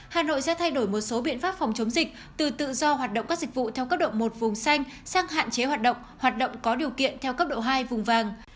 hà nội sẽ thay đổi một số biện pháp phòng chống dịch từ tự do hoạt động các dịch vụ theo cấp độ một vùng xanh sang hạn chế hoạt động hoạt động có điều kiện theo cấp độ hai vùng vàng